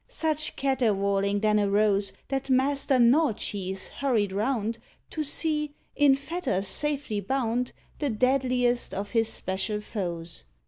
Such caterwauling then arose, That Master Gnaw cheese hurried round To see, in fetters safely bound, The deadliest of his special foes.